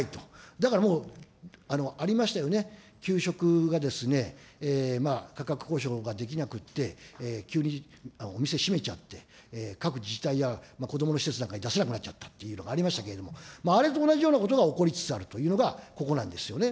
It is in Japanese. だからもう、ありましたよね、給食がですね、価格交渉ができなくって、急にお店閉めちゃって、各自治体や子どもの施設なんかに出せなくなっちゃったというのがありましたけれども、あれと同じようなことが起こりつつあるというのが、ここなんですよね。